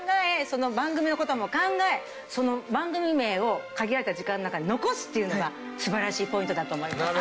その番組の事も考えその番組名を限られた時間の中に残すというのが素晴らしいポイントだと思います。